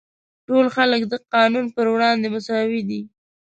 ټول خلک د قانون پر وړاندې مساوي دي.